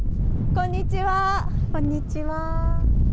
こんにちは。